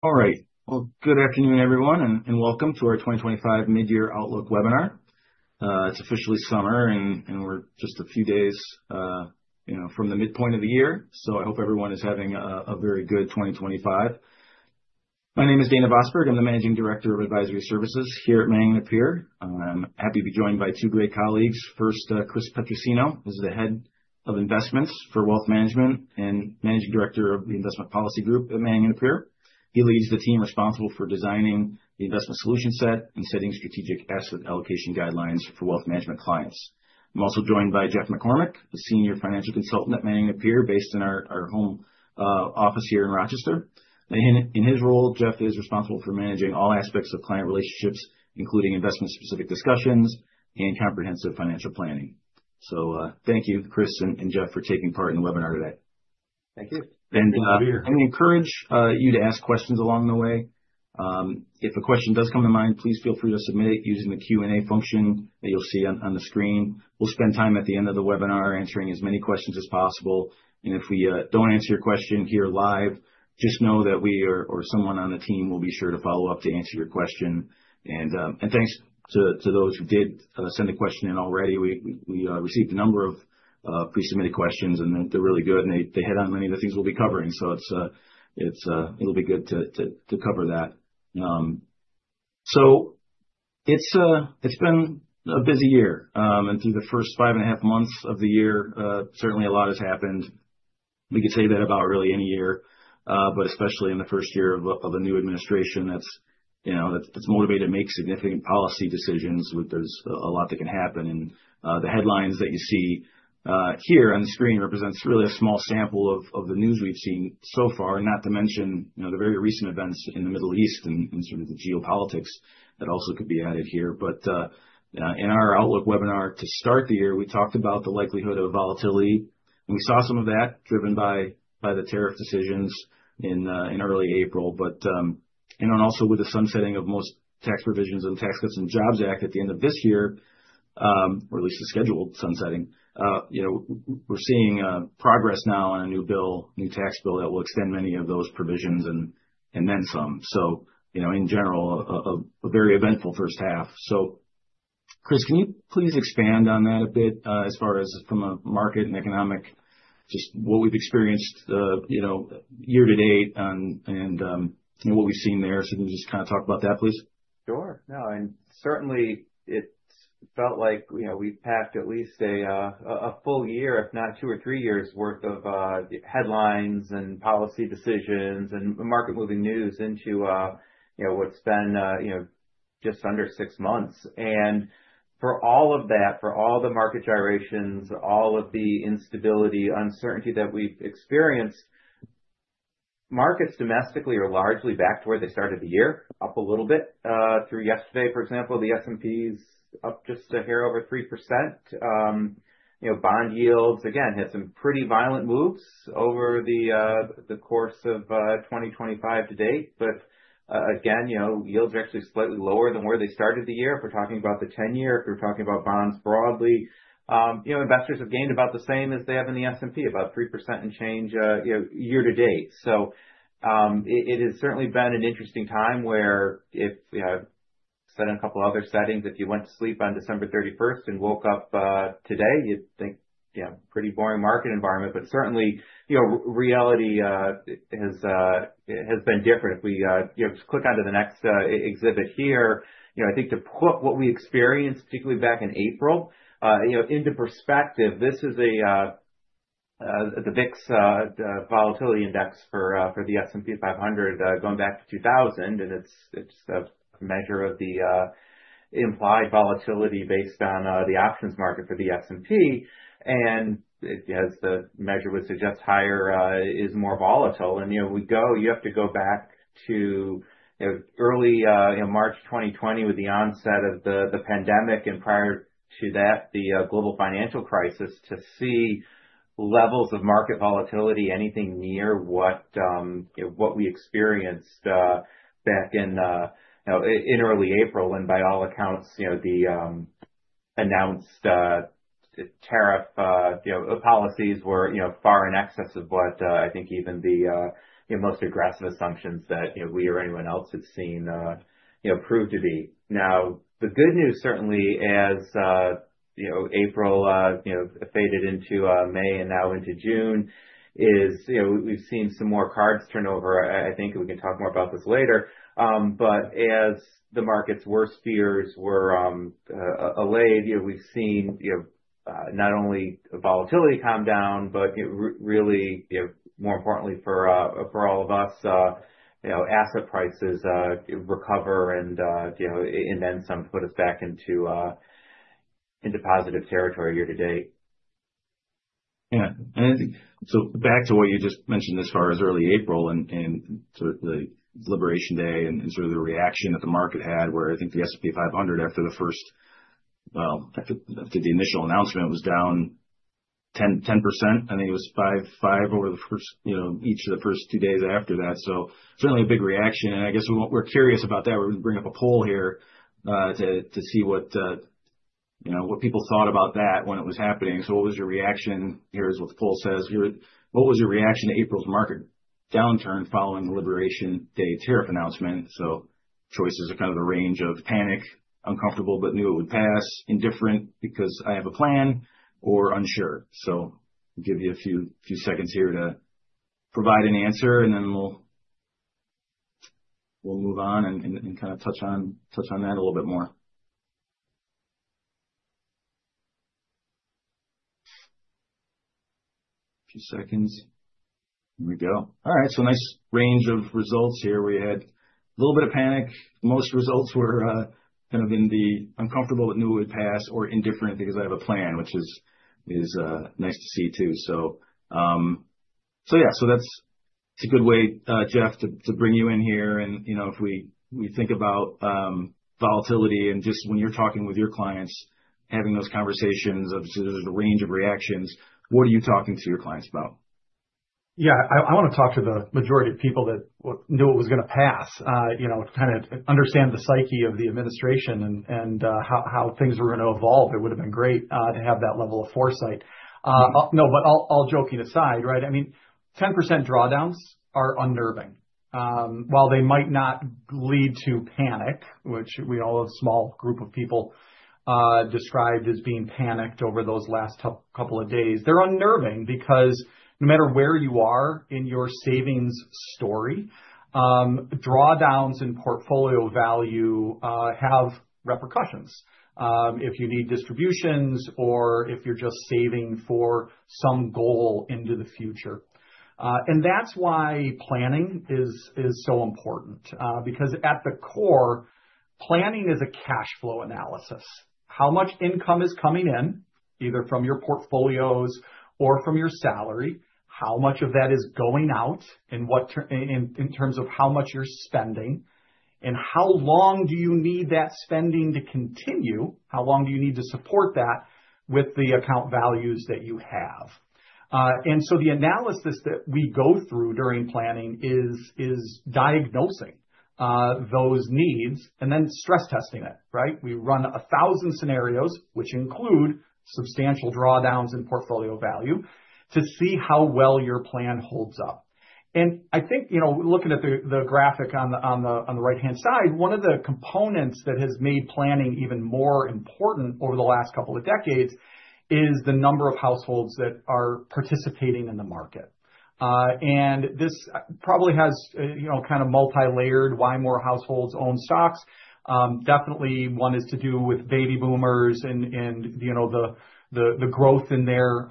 All right. Good afternoon, everyone, and welcome to our 2025 Mid-Year Outlook webinar. It's officially summer, and we're just a few days, you know, from the midpoint of the year. I hope everyone is having a very good 2025. My name is Dana Vosburgh. I'm the Managing Director of Advisory Services here at Manning & Napier. I'm happy to be joined by two great colleagues. First, Chris Petrosino is the Head of Investments for Wealth Management and Managing Director of the Investment Policy Group at Manning & Napier. He leads the team responsible for designing the investment solution set and setting strategic asset allocation guidelines for wealth management clients. I'm also joined by Jeff McCormack, a Senior Financial Consultant at Manning & Napier, based in our home office here in Rochester. In his role, Jeff is responsible for managing all aspects of client relationships, including investment-specific discussions and comprehensive financial planning. Thank you, Chris and Jeff, for taking part in the webinar today. Thank you. I am going to encourage you to ask questions along the way. If a question does come to mind, please feel free to submit it using the Q&A function that you'll see on the screen. We will spend time at the end of the webinar answering as many questions as possible. If we do not answer your question here live, just know that we or someone on the team will be sure to follow up to answer your question. Thanks to those who did send a question in already. We received a number of pre-submitted questions, and they are really good, and they hit on many of the things we will be covering. It will be good to cover that. It has been a busy year. Through the first five and a half months of the year, certainly a lot has happened. We could say that about really any year, but especially in the first year of a new administration that's motivated to make significant policy decisions. There's a lot that can happen. The headlines that you see here on the screen represent really a small sample of the news we've seen so far, not to mention the very recent events in the Middle East and sort of the geopolitics that also could be added here. In our Outlook webinar to start the year, we talked about the likelihood of volatility. We saw some of that driven by the tariff decisions in early April. But also with the sunsetting of most tax provisions in the Tax Cuts and Jobs Act at the end of this year, or at least the scheduled sunsetting, we're seeing progress now on a new bill, new tax bill that will extend many of those provisions and then some. You know, in general, a very eventful first half. Chris, can you please expand on that a bit as far as from a market and economic, just what we've experienced, you know, year to date and what we've seen there? Can you just kind of talk about that, please? Sure. No, and certainly it felt like, you know, we've packed at least a full year, if not two or three years' worth of headlines and policy decisions and market-moving news into what's been just under six months. For all of that, for all the market gyrations, all of the instability, uncertainty that we've experienced, markets domestically are largely back to where they started the year, up a little bit through yesterday. For example, the S&P is up just a hair over 3%. You know, bond yields, again, had some pretty violent moves over the course of 2025 to date. Again, you know, yields are actually slightly lower than where they started the year. If we're talking about the 10-year Treasury, if we're talking about bonds broadly, you know, investors have gained about the same as they have in the S&P, about 3% and change year to date. It has certainly been an interesting time where if, you know, I said in a couple of other settings, if you went to sleep on December 31 and woke up today, you'd think, you know, pretty boring market environment. Certainly, you know, reality has been different. If we click onto the next exhibit here, you know, I think to put what we experienced, particularly back in April, you know, into perspective, this is the VIX volatility index for the S&P 500 going back to 2000. It is a measure of the implied volatility based on the options market for the S&P. As the measure would suggest, higher is more volatile. You have to go back to early March 2020 with the onset of the pandemic and prior to that, the global financial crisis to see levels of market volatility anything near what we experienced back in early April. By all accounts, the announced tariff policies were far in excess of what I think even the most aggressive assumptions that we or anyone else had seen proved to be. The good news certainly, as April faded into May and now into June, is we have seen some more cards turn over. I think we can talk more about this later. As the market's worst fears were allayed, you know, we've seen, you know, not only volatility come down, but really, you know, more importantly for all of us, you know, asset prices recover and, you know, in then some put us back into positive territory year to date. Yeah. I think, back to what you just mentioned as far as early April and sort of the Liberation Day and sort of the reaction that the market had, where I think the S&P 500 after the first, well, after the initial announcement was down 10%, I think it was 5% over each of the first two days after that. Certainly a big reaction. I guess we're curious about that. We're going to bring up a poll here to see what people thought about that when it was happening. What was your reaction? Here's what the poll says. What was your reaction to April's market downturn following the Liberation Day tariff announcement? Choices are kind of the range of panic, uncomfortable but knew it would pass, indifferent because I have a plan, or unsure. I'll give you a few seconds here to provide an answer, and then we'll move on and kind of touch on that a little bit more. A few seconds. Here we go. All right. Nice range of results here. We had a little bit of panic. Most results were kind of in the uncomfortable, but knew it would pass, or indifferent because I have a plan, which is nice to see too. Yeah, that's a good way, Jeff, to bring you in here. You know, if we think about volatility and just when you're talking with your clients, having those conversations of just a range of reactions, what are you talking to your clients about? Yeah, I want to talk to the majority of people that knew it was going to pass, you know, kind of understand the psyche of the administration and how things were going to evolve. It would have been great to have that level of foresight. No, but all joking aside, right? I mean, 10% drawdowns are unnerving. While they might not lead to panic, which we all have a small group of people described as being panicked over those last couple of days, they're unnerving because no matter where you are in your savings story, drawdowns in portfolio value have repercussions if you need distributions or if you're just saving for some goal into the future. And that's why planning is so important because at the core, planning is a cash flow analysis. How much income is coming in, either from your portfolios or from your salary, how much of that is going out in terms of how much you're spending, and how long do you need that spending to continue, how long do you need to support that with the account values that you have. The analysis that we go through during planning is diagnosing those needs and then stress testing it, right? We run a thousand scenarios, which include substantial drawdowns in portfolio value, to see how well your plan holds up. I think, you know, looking at the graphic on the right-hand side, one of the components that has made planning even more important over the last couple of decades is the number of households that are participating in the market. This probably has, you know, kind of multi-layered why more households own stocks. Definitely one is to do with baby boomers and, you know, the growth in their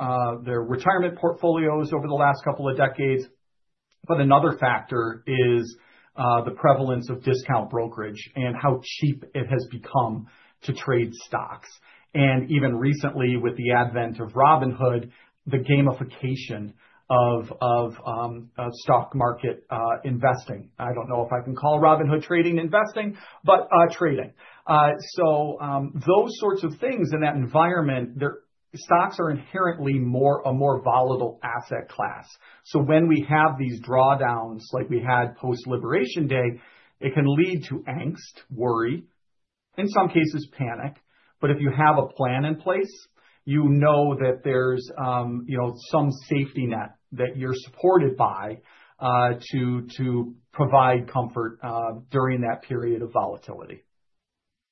retirement portfolios over the last couple of decades. Another factor is the prevalence of discount brokerage and how cheap it has become to trade stocks. Even recently with the advent of Robinhood, the gamification of stock market investing. I do not know if I can call Robinhood trading investing, but trading. Those sorts of things in that environment, stocks are inherently a more volatile asset class. When we have these drawdowns like we had post-Liberation Day, it can lead to angst, worry, in some cases panic. If you have a plan in place, you know that there is, you know, some safety net that you are supported by to provide comfort during that period of volatility.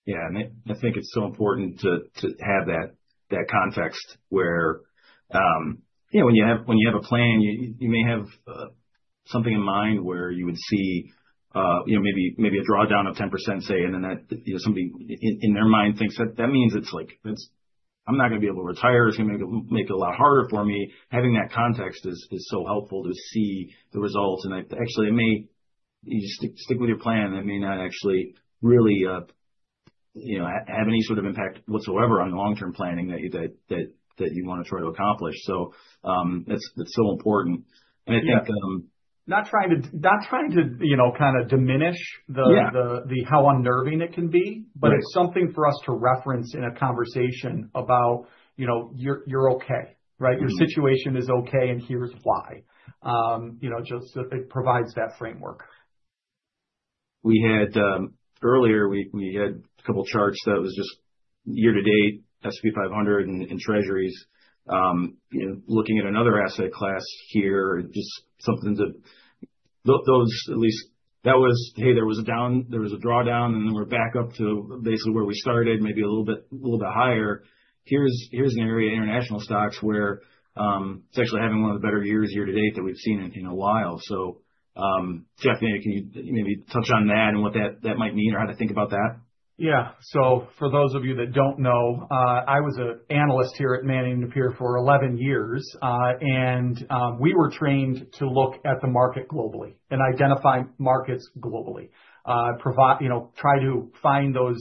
Yeah. I think it's so important to have that context where, you know, when you have a plan, you may have something in mind where you would see, you know, maybe a drawdown of 10%, say, and then somebody in their mind thinks that that means it's like, I'm not going to be able to retire. It's going to make it a lot harder for me. Having that context is so helpful to see the results. Actually, you just stick with your plan. It may not actually really, you know, have any sort of impact whatsoever on the long-term planning that you want to try to accomplish. That's so important. I think. Not trying to, you know, kind of diminish how unnerving it can be, but it's something for us to reference in a conversation about, you know, you're okay, right? Your situation is okay, and here's why. You know, just it provides that framework. We had earlier, we had a couple of charts that was just year to date, S&P 500 and Treasuries, you know, looking at another asset class here, just something to those at least that was, hey, there was a drawdown, and then we're back up to basically where we started, maybe a little bit higher. Here's an area of international stocks where it's actually having one of the better years year to date that we've seen in a while. So Jeff, maybe can you maybe touch on that and what that might mean or how to think about that? Yeah. For those of you that do not know, I was an analyst here at Manning & Napier for 11 years. We were trained to look at the market globally and identify markets globally, you know, try to find those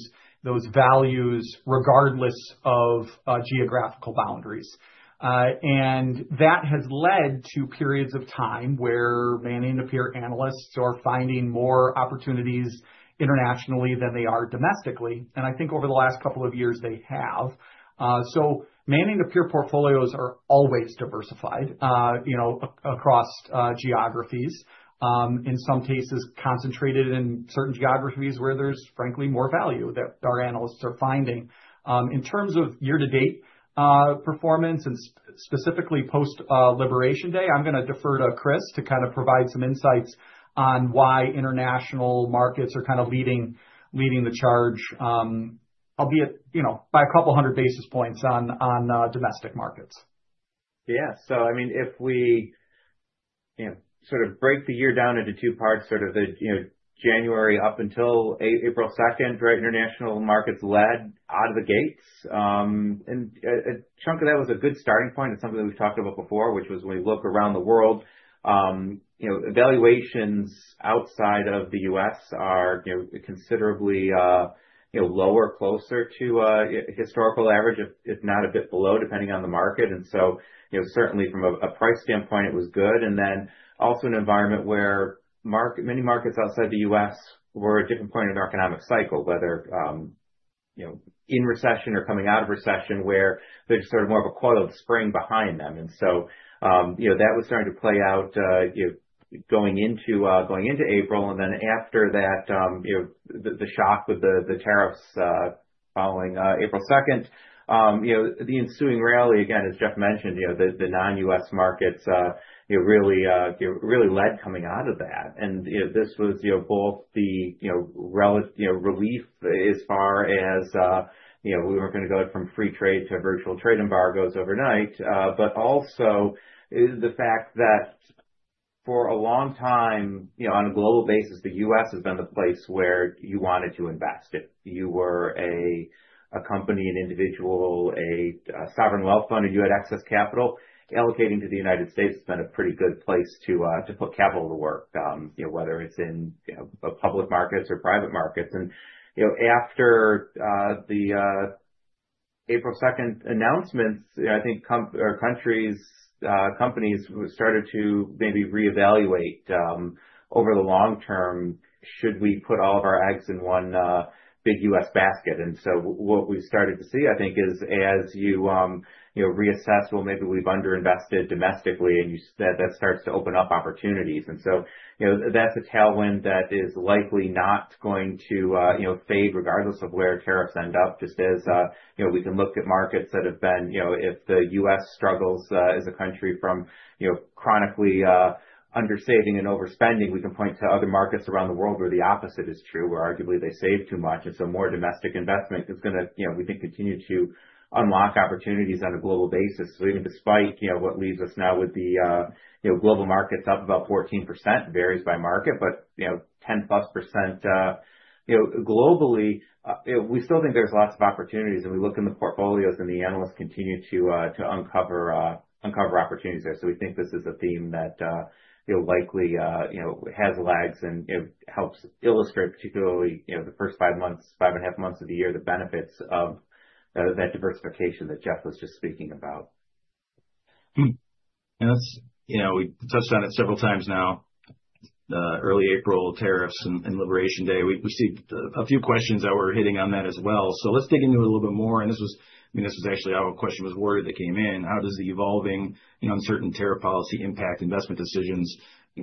values regardless of geographical boundaries. That has led to periods of time where Manning & Napier analysts are finding more opportunities internationally than they are domestically. I think over the last couple of years, they have. Manning & Napier portfolios are always diversified, you know, across geographies, in some cases concentrated in certain geographies where there is frankly more value that our analysts are finding. In terms of year to date performance and specifically post-Liberation Day, I'm going to defer to Chris to kind of provide some insights on why international markets are kind of leading the charge, albeit, you know, by a couple hundred basis points on domestic markets. Yeah. So I mean, if we, you know, sort of break the year down into two parts, sort of the, you know, January up until April 2nd, right, international markets led out of the gates. And a chunk of that was a good starting point. It's something we've talked about before, which was when we look around the world, you know, evaluations outside of the U.S. are, you know, considerably, you know, lower, closer to historical average, if not a bit below, depending on the market. And so, you know, certainly from a price standpoint, it was good. And then also an environment where many markets outside the U.S. were at a different point in their economic cycle, whether, you know, in recession or coming out of recession, where there's sort of more of a coiled spring behind them. You know, that was starting to play out, you know, going into April. After that, you know, the shock with the tariffs following April 2nd, you know, the ensuing rally, again, as Jeff mentioned, you know, the non-U.S. markets, you know, really led coming out of that. You know, this was, you know, both the, you know, relief as far as, you know, we were not going to go from free trade to virtual trade embargoes overnight, but also the fact that for a long time, you know, on a global basis, the U.S. has been the place where you wanted to invest. If you were a company, an individual, a sovereign wealth fund, and you had excess capital allocating to the United States, it has been a pretty good place to put capital to work, you know, whether it is in public markets or private markets. You know, after the April 2nd announcements, I think countries, companies started to maybe reevaluate over the long term, should we put all of our eggs in one big U.S. basket. What we have started to see, I think, is as you reassess, well, maybe we have underinvested domestically, and that starts to open up opportunities. You know, that is a tailwind that is likely not going to fade regardless of where tariffs end up, just as, you know, we can look at markets that have been, you know, if the U.S. struggles as a country from, you know, chronically undersaving and overspending, we can point to other markets around the world where the opposite is true, where arguably they save too much. More domestic investment is going to, you know, we think continue to unlock opportunities on a global basis. Even despite, you know, what leaves us now with the, you know, global markets up about 14%, it varies by market, but, you know, 10+% globally, we still think there's lots of opportunities. We look in the portfolios, and the analysts continue to uncover opportunities there. We think this is a theme that, you know, likely, you know, has legs and helps illustrate particularly, you know, the first five months, five and a half months of the year, the benefits of that diversification that Jeff was just speaking about. That is, you know, we touched on it several times now, early April tariffs and Liberation Day. We see a few questions that were hitting on that as well. Let's dig into it a little bit more. This was, I mean, this was actually our question, was word that came in. How does the evolving, you know, uncertain tariff policy impact investment decisions?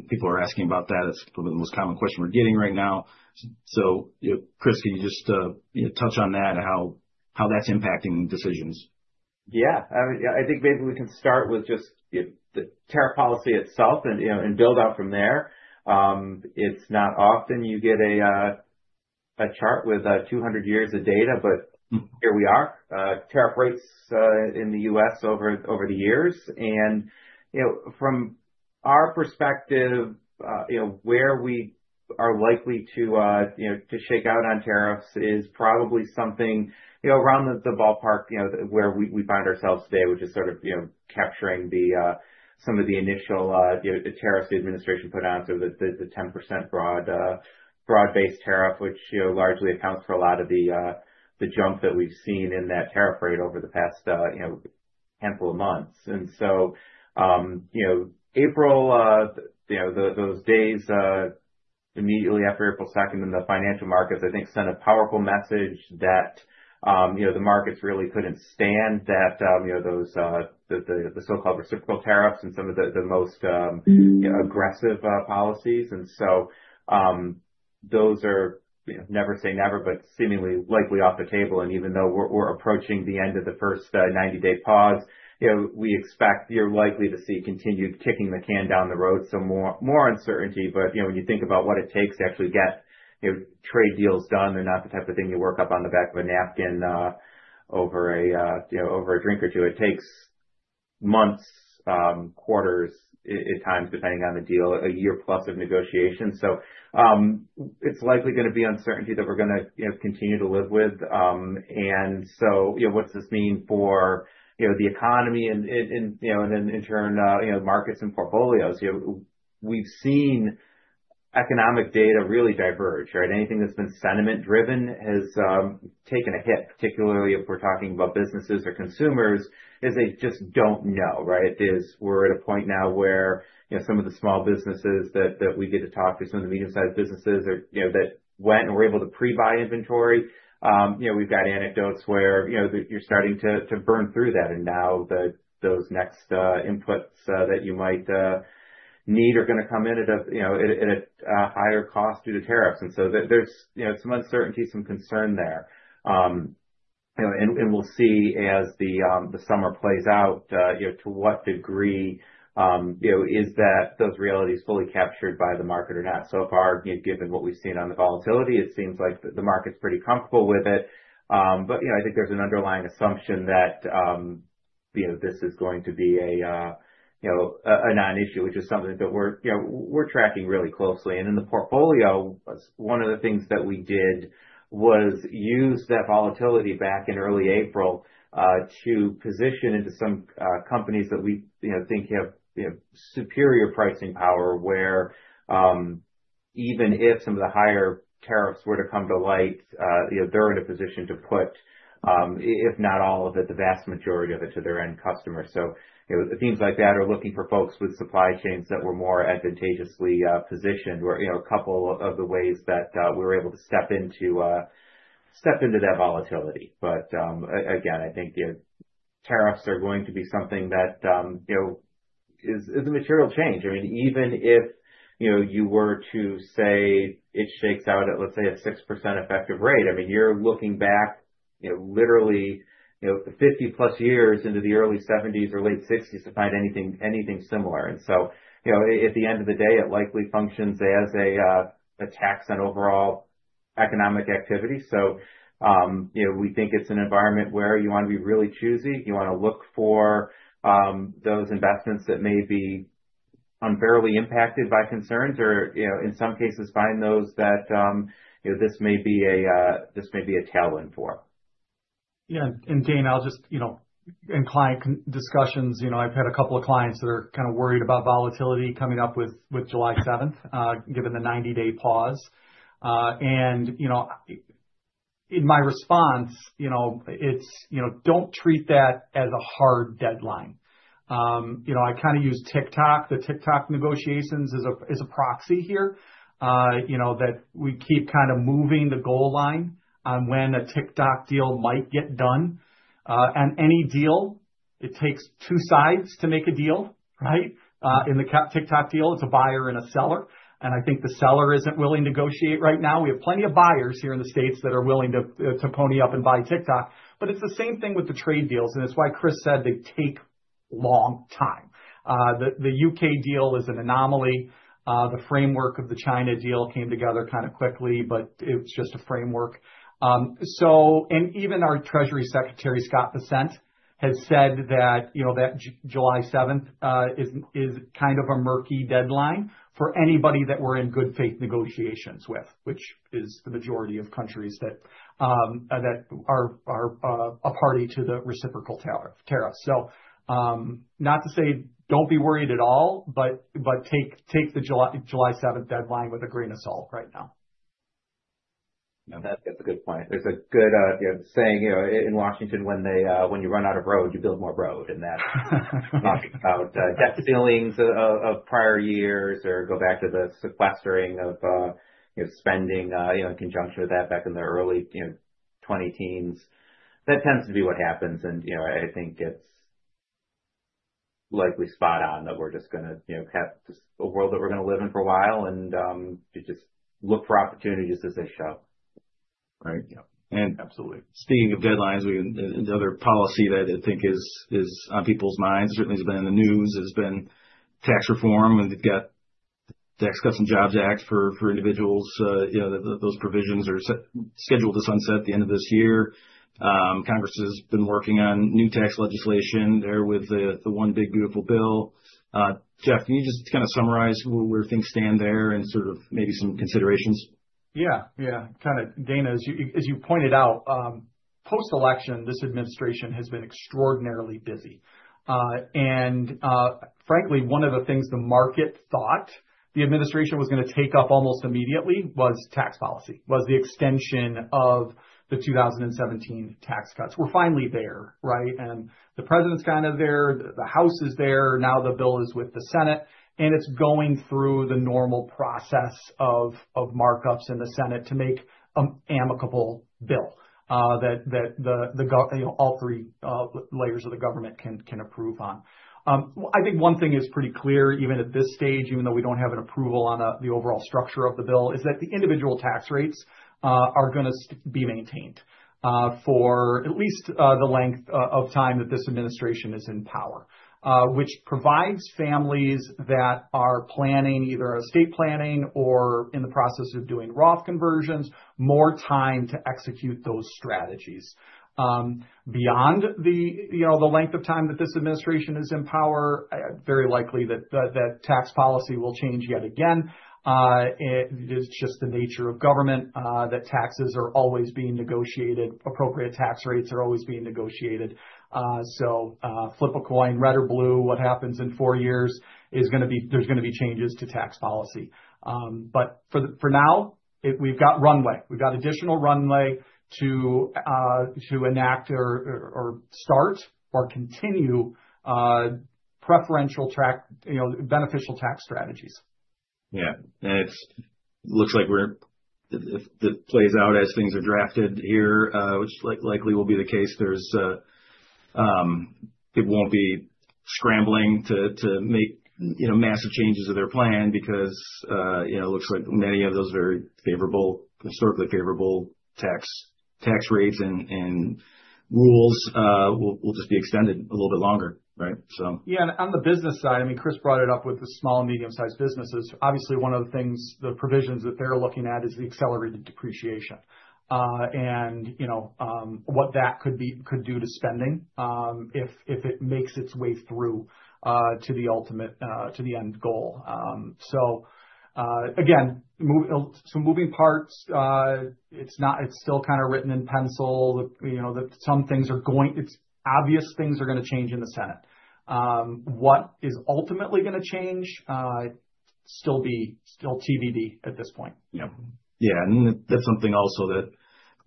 People are asking about that. It's probably the most common question we're getting right now. You know, Chris, can you just touch on that and how that's impacting decisions? Yeah. I think maybe we can start with just the tariff policy itself and build out from there. It's not often you get a chart with 200 years of data, but here we are, tariff rates in the U.S. over the years. And, you know, from our perspective, you know, where we are likely to shake out on tariffs is probably something, you know, around the ballpark, you know, where we find ourselves today, which is sort of, you know, capturing some of the initial tariffs the administration put on, sort of the 10% broad-based tariff, which, you know, largely accounts for a lot of the jump that we've seen in that tariff rate over the past, you know, handful of months. You know, April, those days immediately after April 2nd in the financial markets, I think sent a powerful message that the markets really could not stand those, the so-called reciprocal tariffs and some of the most aggressive policies. Those are, you know, never say never, but seemingly likely off the table. Even though we are approaching the end of the first 90-day pause, we expect you are likely to see continued kicking the can down the road. More uncertainty, but, you know, when you think about what it takes to actually get trade deals done, they are not the type of thing you work up on the back of a napkin over a drink or two. It takes months, quarters at times, depending on the deal, a year plus of negotiation. It's likely going to be uncertainty that we're going to continue to live with. You know, what's this mean for, you know, the economy and, you know, and then in turn, you know, markets and portfolios? You know, we've seen economic data really diverge, right? Anything that's been sentiment-driven has taken a hit, particularly if we're talking about businesses or consumers, as they just don't know, right? We're at a point now where, you know, some of the small businesses that we get to talk to, some of the medium-sized businesses that went and were able to pre-buy inventory, you know, we've got anecdotes where, you know, you're starting to burn through that. Now that those next inputs that you might need are going to come in at a, you know, at a higher cost due to tariffs. There is, you know, some uncertainty, some concern there. You know, we will see as the summer plays out, you know, to what degree, you know, those realities are fully captured by the market or not. So far, you know, given what we have seen on the volatility, it seems like the market is pretty comfortable with it. You know, I think there is an underlying assumption that, you know, this is going to be a, you know, a non-issue, which is something that we are, you know, tracking really closely. In the portfolio, one of the things that we did was use that volatility back in early April to position into some companies that we, you know, think have, you know, superior pricing power where even if some of the higher tariffs were to come to light, you know, they are in a position to put, if not all of it, the vast majority of it to their end customers. You know, things like that are looking for folks with supply chains that were more advantageously positioned were, you know, a couple of the ways that we were able to step into that volatility. Again, I think, you know, tariffs are going to be something that, you know, is a material change. I mean, even if, you know, you were to say it shakes out at, let's say, a 6% effective rate, I mean, you're looking back, you know, literally, you know, 50 plus years into the early 1970s or late 1960s to find anything similar. And so, you know, at the end of the day, it likely functions as a tax on overall economic activity. So, you know, we think it's an environment where you want to be really choosy. You want to look for those investments that may be unfairly impacted by concerns or, you know, in some cases, find those that, you know, this may be a, this may be a tailwind for. Yeah. And Dana, I'll just, you know, in client discussions, you know, I've had a couple of clients that are kind of worried about volatility coming up with July 7th, given the 90-day pause. And, you know, in my response, you know, it's, you know, don't treat that as a hard deadline. You know, I kind of use TikTok, the TikTok negotiations as a proxy here, you know, that we keep kind of moving the goal line on when a TikTok deal might get done. And any deal, it takes two sides to make a deal, right? In the TikTok deal, it's a buyer and a seller. And I think the seller isn't willing to negotiate right now. We have plenty of buyers here in the States that are willing to pony up and buy TikTok. But it's the same thing with the trade deals. It is why Chris said they take a long time. The U.K. deal is an anomaly. The framework of the China deal came together kind of quickly, but it is just a framework. Even our Treasury Secretary, Scott Bessent, has said that, you know, that July 7th is kind of a murky deadline for anybody that we are in good faith negotiations with, which is the majority of countries that are a party to the reciprocal tariffs. Not to say do not be worried at all, but take the July 7th deadline with a grain of salt right now. No, that's a good point. It's a good thing, you know, in Washington, when you run out of road, you build more road. That's not about debt ceilings of prior years or go back to the sequestering of, you know, spending, you know, in conjunction with that back in the early, you know, 2010s. That tends to be what happens. You know, I think it's likely spot on that we're just going to, you know, have just a world that we're going to live in for a while and just look for opportunities as they show. Right. Speaking of deadlines, we have another policy that I think is on people's minds. Certainly, it's been in the news. It's been tax reform. They've got the Tax Cuts and Jobs Act for individuals. You know, those provisions are scheduled to sunset at the end of this year. Congress has been working on new tax legislation there with the one big beautiful bill. Jeff, can you just kind of summarize where things stand there and sort of maybe some considerations? Yeah, yeah. Kind of, Dana, as you pointed out, post-election, this administration has been extraordinarily busy. And frankly, one of the things the market thought the administration was going to take up almost immediately was tax policy, was the extension of the 2017 tax cuts. We're finally there, right? And the president's kind of there. The House is there. Now the bill is with the Senate. And it's going through the normal process of markups in the Senate to make an amicable bill that all three layers of the government can approve on. I think one thing is pretty clear, even at this stage, even though we don't have an approval on the overall structure of the bill, is that the individual tax rates are going to be maintained for at least the length of time that this administration is in power, which provides families that are planning either estate planning or in the process of doing Roth conversions more time to execute those strategies. Beyond the, you know, the length of time that this administration is in power, very likely that tax policy will change yet again. It's just the nature of government that taxes are always being negotiated. Appropriate tax rates are always being negotiated. Flip a coin, red or blue, what happens in four years is going to be, there's going to be changes to tax policy. For now, we've got runway. We've got additional runway to enact or start or continue preferential track, you know, beneficial tax strategies. Yeah. It looks like we're, if it plays out as things are drafted here, which likely will be the case, there won't be scrambling to make, you know, massive changes to their plan because, you know, it looks like many of those very favorable, historically favorable tax rates and rules will just be extended a little bit longer, right? Yeah. On the business side, I mean, Chris brought it up with the small and medium-sized businesses. Obviously, one of the things, the provisions that they're looking at is the accelerated depreciation. And, you know, what that could do to spending if it makes its way through to the ultimate, to the end goal. Again, some moving parts, it's still kind of written in pencil, you know, that some things are going, it's obvious things are going to change in the Senate. What is ultimately going to change? Still be still TBD at this point. Yeah. Yeah. That is something also that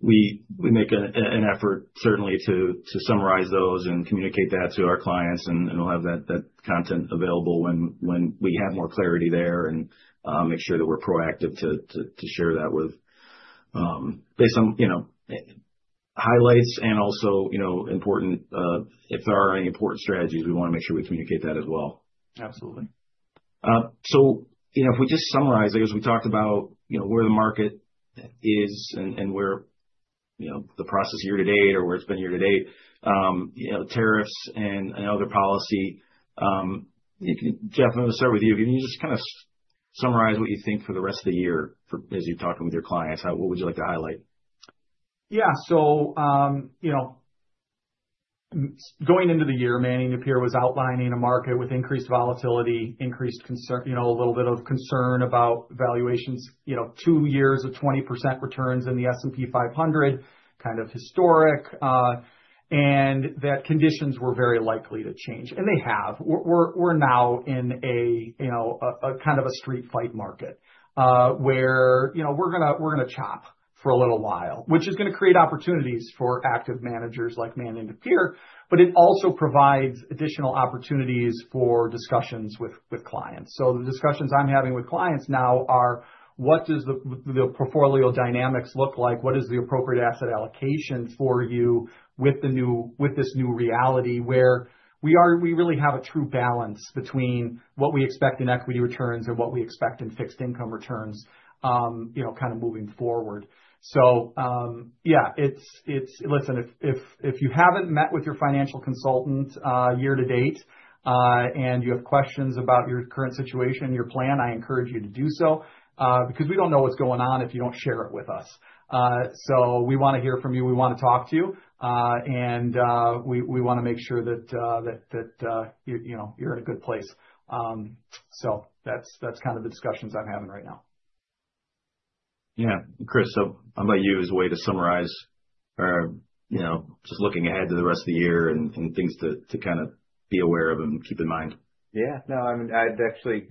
we make an effort certainly to summarize those and communicate that to our clients. We will have that content available when we have more clarity there and make sure that we are proactive to share that with, based on, you know, highlights and also, you know, important if there are any important strategies, we want to make sure we communicate that as well. Absolutely. If we just summarize, I guess we talked about, you know, where the market is and where, you know, the process year to date or where it's been year to date, you know, tariffs and other policy. Jeff, I'm going to start with you. Can you just kind of summarize what you think for the rest of the year as you're talking with your clients? What would you like to highlight? Yeah. So, you know, going into the year, Manning & Napier was outlining a market with increased volatility, increased, you know, a little bit of concern about valuations, you know, two years of 20% returns in the S&P 500, kind of historic. That conditions were very likely to change. They have. We're now in a, you know, a kind of a street fight market where, you know, we're going to chop for a little while, which is going to create opportunities for active managers like Manning & Napier, but it also provides additional opportunities for discussions with clients. The discussions I'm having with clients now are, what does the portfolio dynamics look like? What is the appropriate asset allocation for you with this new reality where we really have a true balance between what we expect in equity returns and what we expect in fixed income returns, you know, kind of moving forward. Yeah, it's, listen, if you haven't met with your financial consultant year to date and you have questions about your current situation, your plan, I encourage you to do so because we don't know what's going on if you don't share it with us. We want to hear from you. We want to talk to you. We want to make sure that, you know, you're in a good place. That's kind of the discussions I'm having right now. Yeah. Chris, so how about you as a way to summarize, you know, just looking ahead to the rest of the year and things to kind of be aware of and keep in mind? Yeah. No, I mean, I'd actually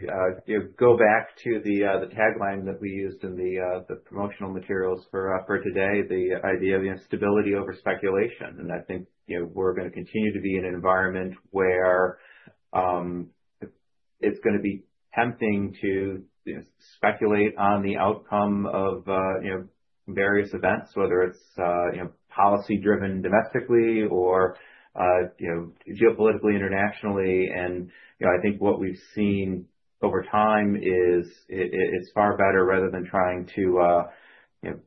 go back to the tagline that we used in the promotional materials for today, the idea of stability over speculation. I think, you know, we're going to continue to be in an environment where it's going to be tempting to speculate on the outcome of, you know, various events, whether it's, you know, policy driven domestically or, you know, geopolitically internationally. I think what we've seen over time is it's far better rather than trying to, you know,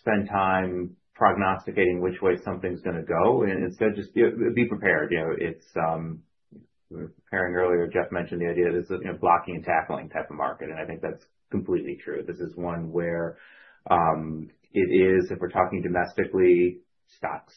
spend time prognosticating which way something's going to go. Instead, just be prepared. You know, we were preparing earlier, Jeff mentioned the idea of this blocking and tackling type of market. I think that's completely true. This is one where it is, if we're talking domestically, stocks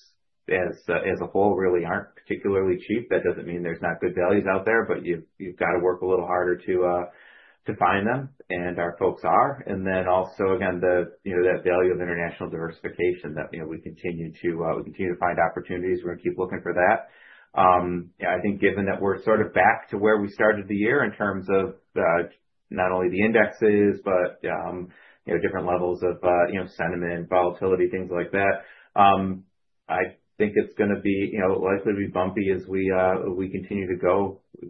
as a whole really aren't particularly cheap. That doesn't mean there's not good values out there, but you've got to work a little harder to find them. Our folks are. Also, again, the, you know, that value of international diversification that, you know, we continue to, we continue to find opportunities. We're going to keep looking for that. I think given that we're sort of back to where we started the year in terms of not only the indexes, but, you know, different levels of, you know, sentiment, volatility, things like that, I think it's going to be, you know, likely to be bumpy as we continue to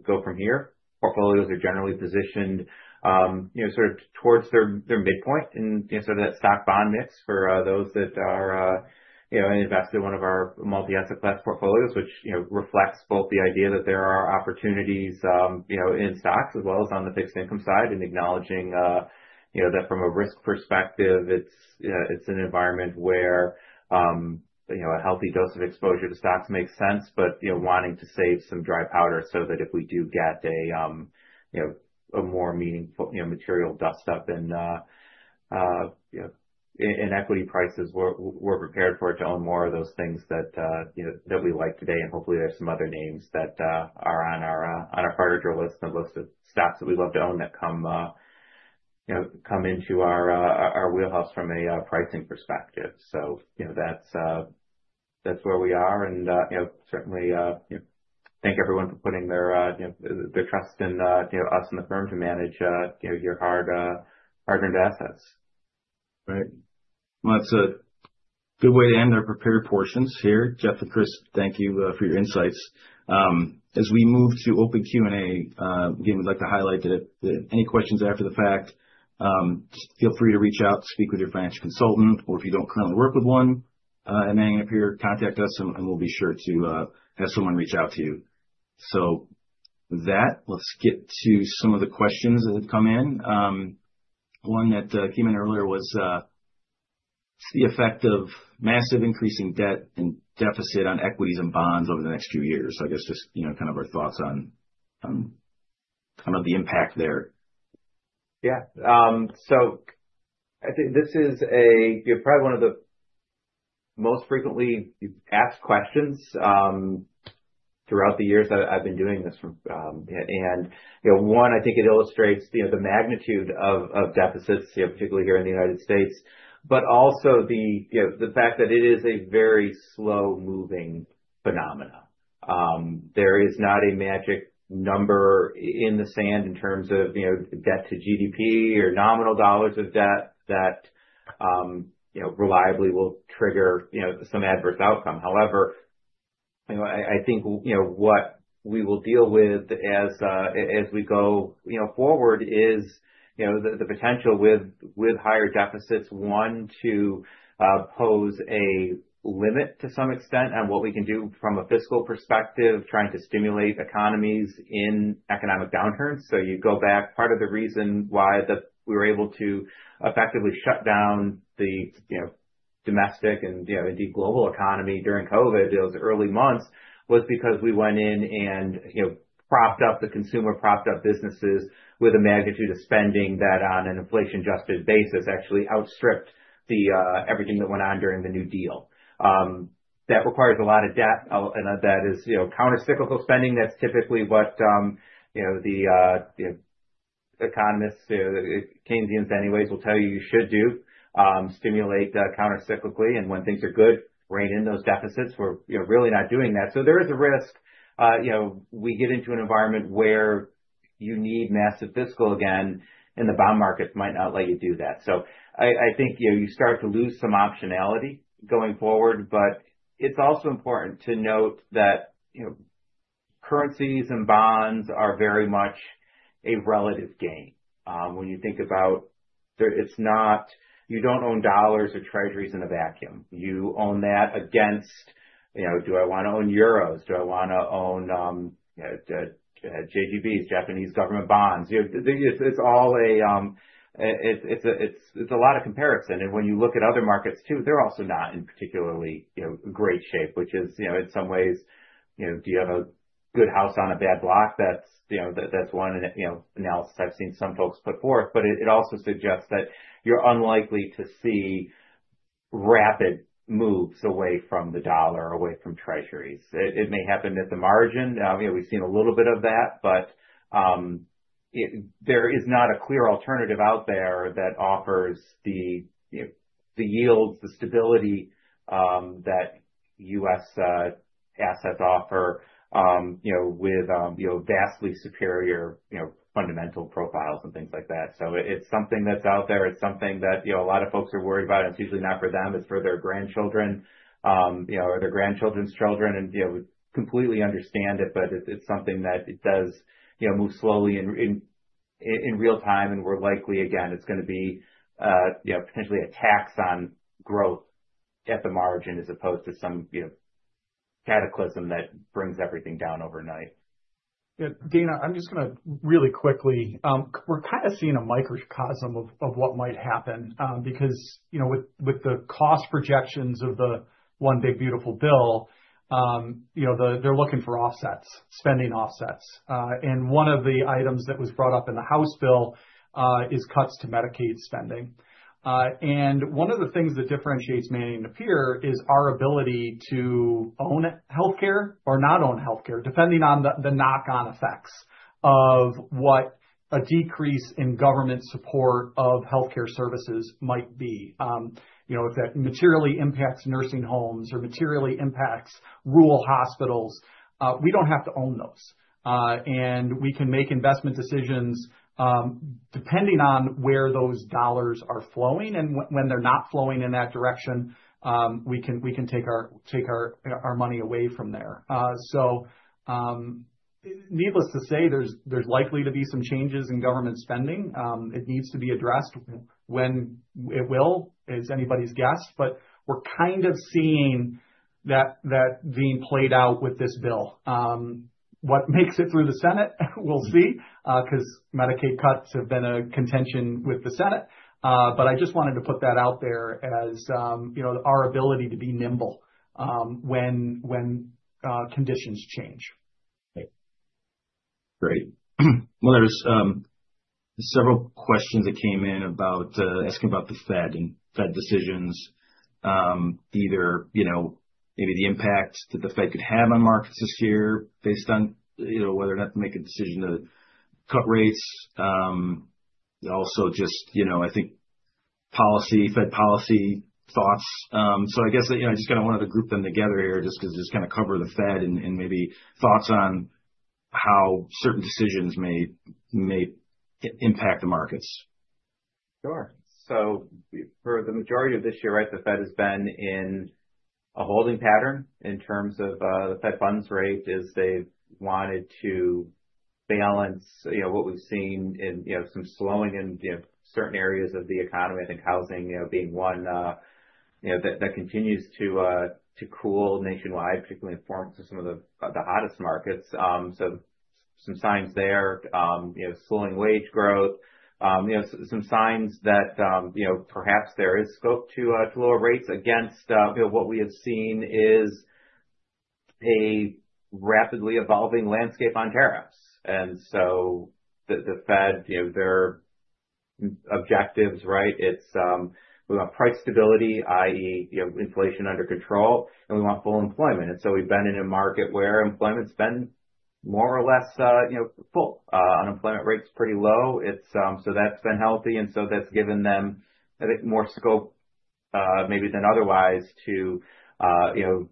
go from here. Portfolios are generally positioned, you know, sort of towards their midpoint and, you know, sort of that stock-bond mix for those that are, you know, invested in one of our multi-asset class portfolios, which, you know, reflects both the idea that there are opportunities, you know, in stocks as well as on the fixed income side and acknowledging, you know, that from a risk perspective, it's an environment where, you know, a healthy dose of exposure to stocks makes sense, but, you know, wanting to save some dry powder so that if we do get a more meaningful, you know, material dust up in equity prices, we're prepared for it to own more of those things that, you know, that we like today. Hopefully there's some other names that are on our farther drill list that looks at stocks that we love to own that come, you know, come into our wheelhouse from a pricing perspective. You know, that's where we are. Certainly, you know, thank everyone for putting their trust in, you know, us and the firm to manage, you know, your hard-earned assets. Right. That is a good way to end our prepared portions here. Jeff and Chris, thank you for your insights. As we move to open Q&A, again, we'd like to highlight that any questions after the fact, just feel free to reach out, speak with your financial consultant, or if you do not currently work with one at Manning & Napier, contact us and we will be sure to have someone reach out to you. With that, let's get to some of the questions that have come in. One that came in earlier was, what's the effect of massive increasing debt and deficit on equities and bonds over the next few years? I guess just, you know, kind of our thoughts on kind of the impact there. Yeah. I think this is a, you know, probably one of the most frequently asked questions throughout the years that I've been doing this from. You know, I think it illustrates, you know, the magnitude of deficits, particularly here in the United States, but also the fact that it is a very slow-moving phenomenon. There is not a magic number in the sand in terms of, you know, debt to GDP or nominal dollars of debt that reliably will trigger some adverse outcome. However, I think what we will deal with as we go forward is the potential with higher deficits to pose a limit to some extent on what we can do from a fiscal perspective, trying to stimulate economies in economic downturns. You go back, part of the reason why we were able to effectively shut down the, you know, domestic and, you know, indeed global economy during COVID, those early months was because we went in and, you know, propped up the consumer, propped up businesses with a magnitude of spending that on an inflation-adjusted basis actually outstripped everything that went on during the New Deal. That requires a lot of debt and that is, you know, countercyclical spending. That is typically what, you know, the economists, Keynesians anyways, will tell you you should do, stimulate countercyclically. When things are good, rein in those deficits. We are, you know, really not doing that. There is a risk, you know, we get into an environment where you need massive fiscal again and the bond markets might not let you do that. I think, you know, you start to lose some optionality going forward, but it's also important to note that, you know, currencies and bonds are very much a relative game. When you think about it, it's not, you don't own dollars or treasuries in a vacuum. You own that against, you know, do I want to own euros? Do I want to own JGBs, Japanese government bonds? You know, it's a lot of comparison. When you look at other markets too, they're also not in particularly, you know, great shape, which is, you know, in some ways, you know, do you have a good house on a bad block? That's one analysis I've seen some folks put forth, but it also suggests that you're unlikely to see rapid moves away from the dollar, away from treasuries. It may happen at the margin. We've seen a little bit of that, but there is not a clear alternative out there that offers the, you know, the yields, the stability that U.S. assets offer, you know, with, you know, vastly superior, you know, fundamental profiles and things like that. It is something that's out there. It is something that, you know, a lot of folks are worried about. It's usually not for them. It's for their grandchildren, you know, or their grandchildren's children. You know, we completely understand it, but it's something that it does, you know, move slowly in real time. We're likely, again, it's going to be, you know, potentially a tax on growth at the margin as opposed to some, you know, cataclysm that brings everything down overnight. Yeah. Dana, I'm just going to really quickly, we're kind of seeing a microcosm of what might happen because, you know, with the cost projections of the one big beautiful bill, you know, they're looking for offsets, spending offsets. One of the items that was brought up in the House bill is cuts to Medicaid spending. One of the things that differentiates Manning & Napier is our ability to own healthcare or not own healthcare, depending on the knock-on effects of what a decrease in government support of healthcare services might be. You know, if that materially impacts nursing homes or materially impacts rural hospitals, we do not have to own those. We can make investment decisions depending on where those dollars are flowing. When they're not flowing in that direction, we can take our money away from there. Needless to say, there's likely to be some changes in government spending. It needs to be addressed when it will, is anybody's guess. We're kind of seeing that being played out with this bill. What makes it through the Senate, we'll see because Medicaid cuts have been a contention with the Senate. I just wanted to put that out there as, you know, our ability to be nimble when conditions change. Great. Great. There are several questions that came in about asking about the Fed and Fed decisions, either, you know, maybe the impact that the Fed could have on markets this year based on, you know, whether or not to make a decision to cut rates. Also just, you know, I think policy, Fed policy thoughts. I guess, you know, I just kind of wanted to group them together here just because just kind of cover the Fed and maybe thoughts on how certain decisions may impact the markets. Sure. So for the majority of this year, right, the Fed has been in a holding pattern in terms of the Fed funds rate as they've wanted to balance, you know, what we've seen in, you know, some slowing in, you know, certain areas of the economy. I think housing, you know, being one, you know, that continues to cool nationwide, particularly in some of the hottest markets. Some signs there, you know, slowing wage growth, you know, some signs that, you know, perhaps there is scope to lower rates against, you know, what we have seen is a rapidly evolving landscape on tariffs. The Fed, you know, their objectives, right, it's we want price stability, i.e., you know, inflation under control, and we want full employment. We've been in a market where employment's been more or less, you know, full. Unemployment rate's pretty low. It's so that's been healthy. And so that's given them, I think, more scope maybe than otherwise to, you know,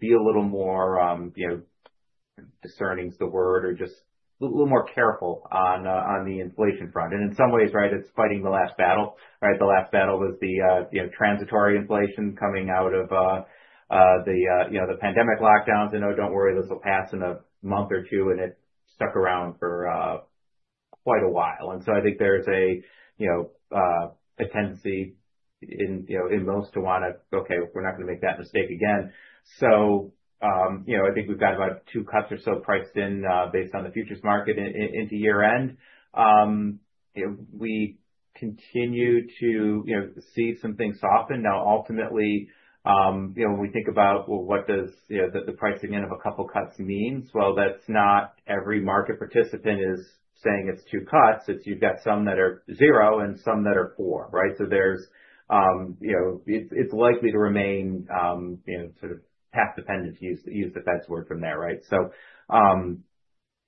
be a little more, you know, discerning's the word or just a little more careful on the inflation front. In some ways, right, it's fighting the last battle, right? The last battle was the, you know, transitory inflation coming out of the, you know, the pandemic lockdowns. And no, don't worry, this will pass in a month or two. It stuck around for quite a while. I think there's a, you know, a tendency in, you know, in most to want to, okay, we're not going to make that mistake again. You know, I think we've got about two cuts or so priced in based on the futures market into year-end. You know, we continue to, you know, see some things soften. Now, ultimately, you know, when we think about, well, what does, you know, the pricing in of a couple cuts means? Well, that's not every market participant is saying it's two cuts. It's you've got some that are zero and some that are four, right? So there's, you know, it's likely to remain, you know, sort of path dependent, to use the Fed's word from there, right?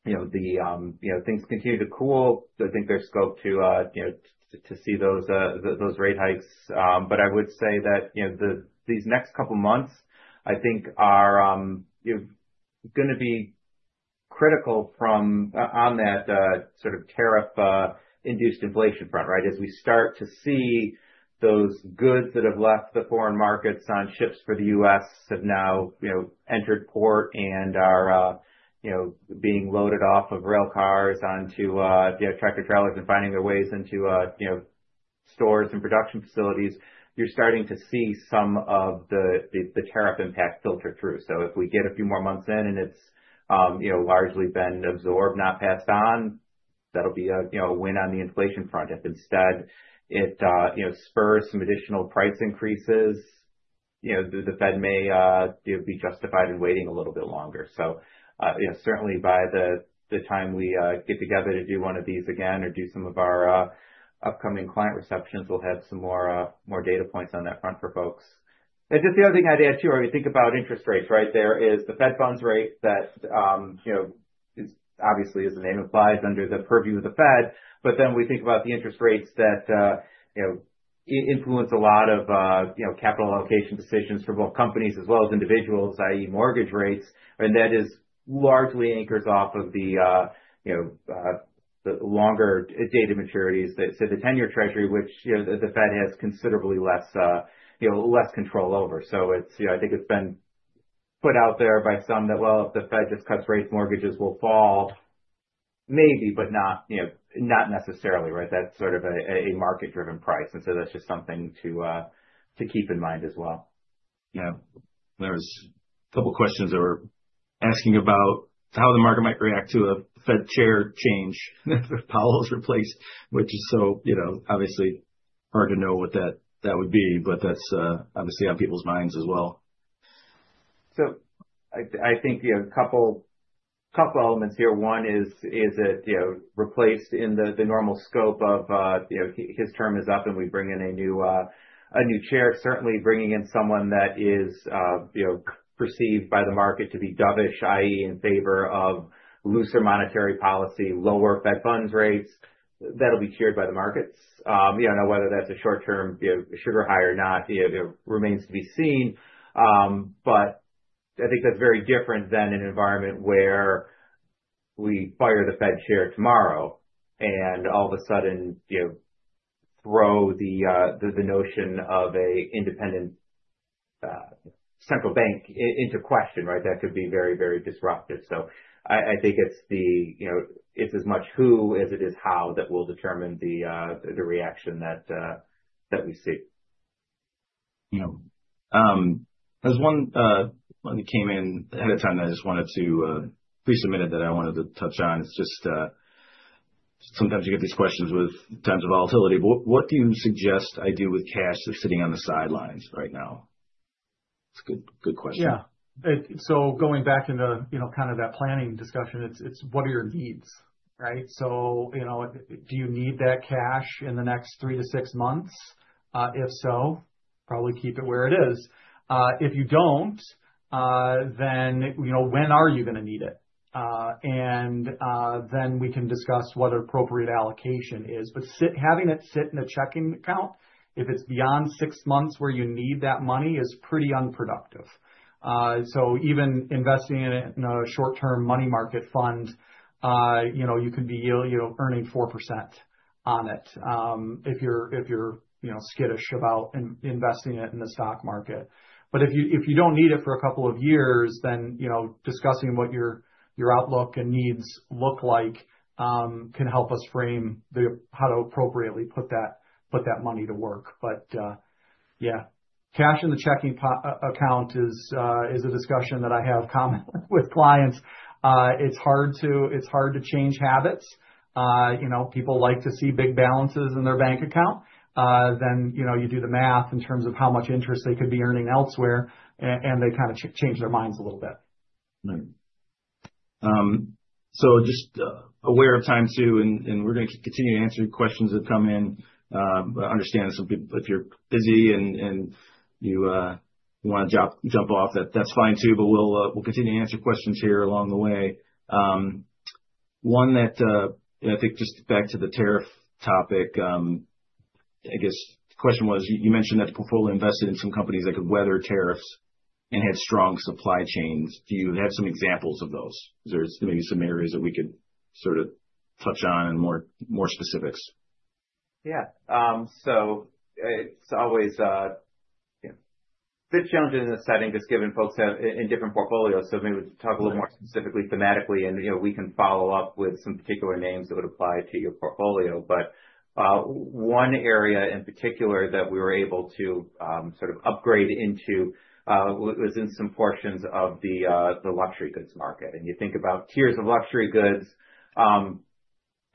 You know, things continue to cool. I think there's scope to, you know, to see those rate hikes. I would say that, you know, these next couple months, I think are, you know, going to be critical from on that sort of tariff-induced inflation front, right? As we start to see those goods that have left the foreign markets on ships for the U.S. have now, you know, entered port and are, you know, being loaded off of rail cars onto, you know, tractor trailers and finding their ways into, you know, stores and production facilities, you're starting to see some of the tariff impact filter through. If we get a few more months in and it's, you know, largely been absorbed, not passed on, that'll be a, you know, a win on the inflation front. If instead it, you know, spurs some additional price increases, you know, the Fed may be justified in waiting a little bit longer. Certainly by the time we get together to do one of these again or do some of our upcoming client receptions, we'll have some more data points on that front for folks. Just the other thing I'd add too, or we think about interest rates, right? There is the Fed funds rate that, you know, obviously as the name implies under the purview of the Fed, but then we think about the interest rates that, you know, influence a lot of, you know, capital allocation decisions for both companies as well as individuals, i.e., mortgage rates. And that is largely anchors off of the, you know, the longer dated maturities. So the 10-year Treasury, which, you know, the Fed has considerably less, you know, less control over. It's, you know, I think it's been put out there by some that, well, if the Fed just cuts rates, mortgages will fall, maybe, but not, you know, not necessarily, right? That's sort of a market-driven price. That's just something to keep in mind as well. Yeah. There was a couple questions that were asking about how the market might react to a Fed chair change if Powell was replaced, which is so, you know, obviously hard to know what that would be, but that's obviously on people's minds as well. I think, you know, a couple elements here. One is, is it, you know, replaced in the normal scope of, you know, his term is up and we bring in a new chair, certainly bringing in someone that is, you know, perceived by the market to be dovish, i.e., in favor of looser monetary policy, lower Fed funds rates. That'll be cheered by the markets. You know, now whether that's a short-term, you know, sugar high or not, you know, remains to be seen. I think that's very different than an environment where we fire the Fed chair tomorrow and all of a sudden, you know, throw the notion of an independent central bank into question, right? That could be very, very disruptive. I think it's the, you know, it's as much who as it is how that will determine the reaction that we see. Yeah. There's one that came in ahead of time that I just wanted to pre-submit that I wanted to touch on. It's just sometimes you get these questions with times of volatility. What do you suggest I do with cash that's sitting on the sidelines right now? It's a good question. Yeah. So going back into the, you know, kind of that planning discussion, it's what are your needs, right? So, you know, do you need that cash in the next three to six months? If so, probably keep it where it is. If you don't, then, you know, when are you going to need it? And then we can discuss what an appropriate allocation is. Having it sit in a checking account, if it's beyond six months where you need that money, is pretty unproductive. Even investing in a short-term money market fund, you know, you could be, you know, earning 4% on it if you're, you know, skittish about investing it in the stock market. If you do not need it for a couple of years, then, you know, discussing what your outlook and needs look like can help us frame how to appropriately put that money to work. Yeah, cash in the checking account is a discussion that I have common with clients. It is hard to change habits. You know, people like to see big balances in their bank account. You do the math in terms of how much interest they could be earning elsewhere, and they kind of change their minds a little bit. Right. Just aware of time too, and we're going to continue to answer questions that come in. I understand if you're busy and you want to jump off, that's fine too, but we'll continue to answer questions here along the way. One that I think, just back to the tariff topic, I guess the question was, you mentioned that the portfolio invested in some companies that could weather tariffs and had strong supply chains. Do you have some examples of those? Is there maybe some areas that we could sort of touch on and more specifics? Yeah. So it's always, you know, big challenges in this setting just given folks have different portfolios. Maybe we talk a little more specifically thematically, and, you know, we can follow up with some particular names that would apply to your portfolio. One area in particular that we were able to sort of upgrade into was in some portions of the luxury goods market. You think about tiers of luxury goods,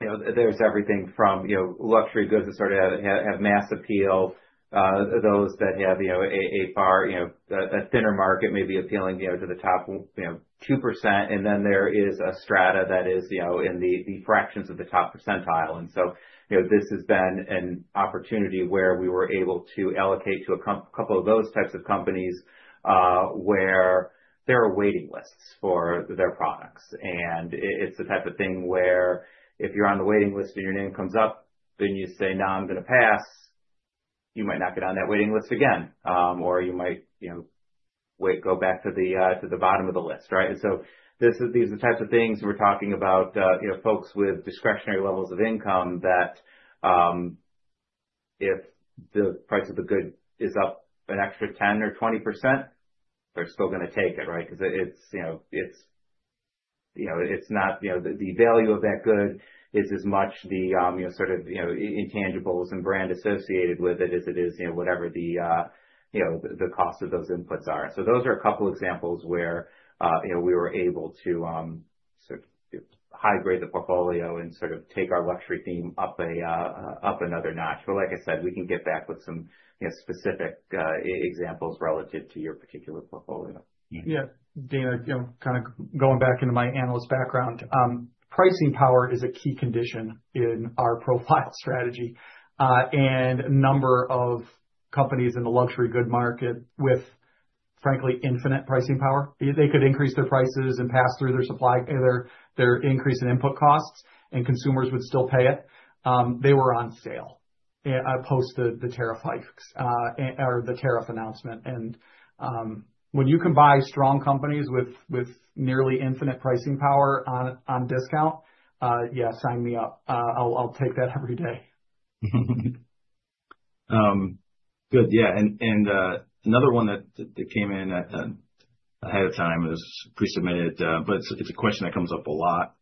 you know, there's everything from, you know, luxury goods that sort of have mass appeal, those that have, you know, a far, you know, a thinner market maybe appealing, you know, to the top 2%. Then there is a strata that is, you know, in the fractions of the top percentile. You know, this has been an opportunity where we were able to allocate to a couple of those types of companies where there are waiting lists for their products. It is the type of thing where if you are on the waiting list and your name comes up, then you say, "No, I'm going to pass," you might not get on that waiting list again, or you might, you know, go back to the bottom of the list, right? These are the types of things we are talking about, you know, folks with discretionary levels of income that if the price of the good is up an extra 10% or 20%, they are still going to take it, right? Because it's, you know, it's not, you know, the value of that good is as much the, you know, sort of, you know, intangibles and brand associated with it as it is, you know, whatever the, you know, the cost of those inputs are. Those are a couple examples where, you know, we were able to sort of high grade the portfolio and sort of take our luxury theme up another notch. Like I said, we can get back with some, you know, specific examples relative to your particular portfolio. Yeah. Dean, you know, kind of going back into my analyst background, pricing power is a key condition in our profile strategy. And a number of companies in the luxury good market with, frankly, infinite pricing power, they could increase their prices and pass through their supply, their increase in input costs, and consumers would still pay it. They were on sale post the tariff hikes or the tariff announcement. When you can buy strong companies with nearly infinite pricing power on discount, yeah, sign me up. I'll take that every day. Good. Yeah. Another one that came in ahead of time is pre-submitted, but it's a question that comes up a lot,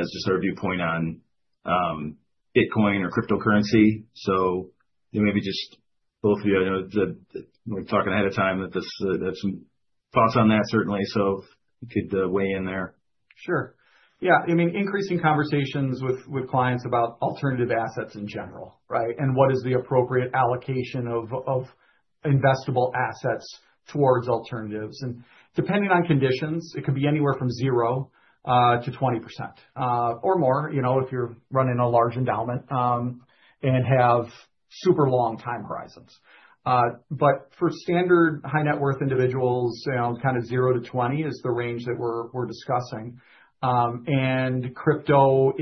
is just our viewpoint on Bitcoin or cryptocurrency. Maybe just both of you, I know we're talking ahead of time that there's some thoughts on that, certainly. If you could weigh in there. Sure. Yeah. I mean, increasing conversations with clients about alternative assets in general, right? And what is the appropriate allocation of investable assets towards alternatives? Depending on conditions, it could be anywhere from 0-20% or more, you know, if you're running a large endowment and have super long time horizons. For standard high net worth individuals, you know, kind of 0-20% is the range that we're discussing. Crypto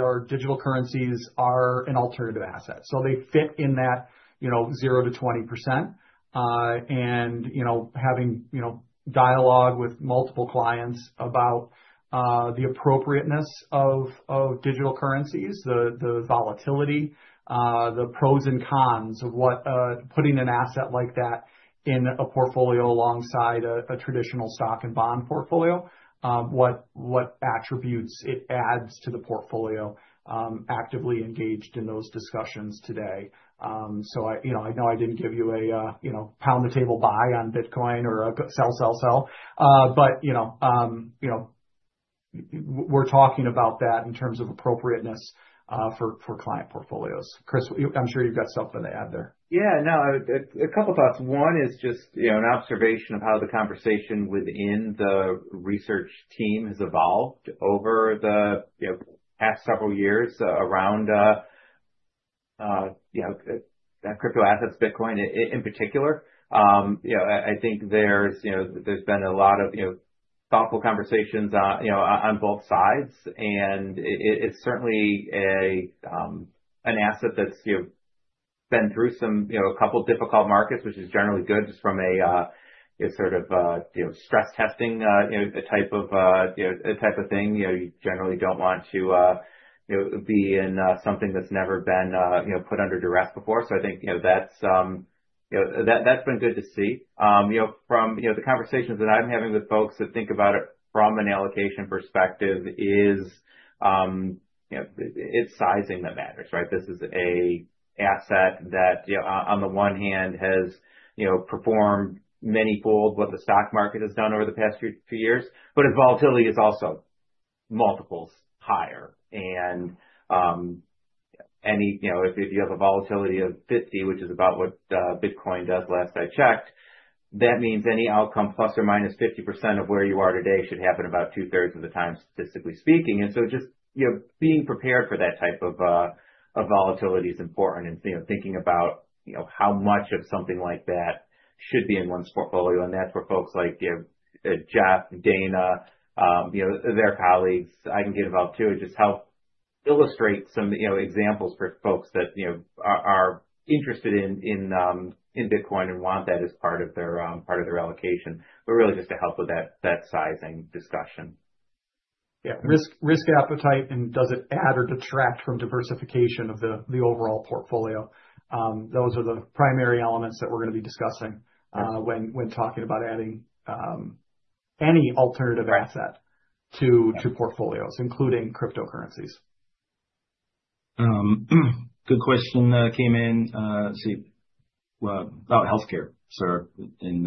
or digital currencies are an alternative asset. They fit in that, you know, 0-20%. You know, having, you know, dialogue with multiple clients about the appropriateness of digital currencies, the volatility, the pros and cons of putting an asset like that in a portfolio alongside a traditional stock and bond portfolio, what attributes it adds to the portfolio. Actively engaged in those discussions today. I, you know, I know I didn't give you a, you know, pound the table buy on Bitcoin or a sell, sell, sell. But, you know, we're talking about that in terms of appropriateness for client portfolios. Chris, I'm sure you've got stuff for the ad there. Yeah. No, a couple thoughts. One is just, you know, an observation of how the conversation within the research team has evolved over the, you know, past several years around, you know, crypto assets, Bitcoin in particular. I think there's, you know, there's been a lot of, you know, thoughtful conversations, you know, on both sides. It is certainly an asset that's, you know, been through some, you know, a couple difficult markets, which is generally good just from a sort of, you know, stress testing, you know, type of thing. You know, you generally do not want to, you know, be in something that's never been, you know, put under duress before. I think, you know, that's, you know, that's been good to see. You know, from the conversations that I'm having with folks that think about it from an allocation perspective is, you know, it's sizing that matters, right? This is an asset that, you know, on the one hand has, you know, performed many-fold what the stock market has done over the past few years, but its volatility is also multiples higher. And any, you know, if you have a volatility of 50, which is about what Bitcoin does last I checked, that means any outcome plus or minus 50% of where you are today should happen about two-thirds of the time, statistically speaking. And so just, you know, being prepared for that type of volatility is important and, you know, thinking about, you know, how much of something like that should be in one's portfolio. That's where folks like, you know, Jeff, Dana, you know, their colleagues, I can get involved too, just help illustrate some, you know, examples for folks that, you know, are interested in Bitcoin and want that as part of their allocation, but really just to help with that sizing discussion. Yeah. Risk appetite and does it add or detract from diversification of the overall portfolio? Those are the primary elements that we're going to be discussing when talking about adding any alternative asset to portfolios, including cryptocurrencies. Good question came in. Let's see. About healthcare, sir, and